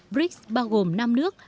brics bao gồm năm nước